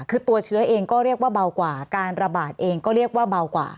คือตัวเชื้อเองก็เรียกว่าเบากว่าการระบาดเองก็เรียกว่าเบากว่า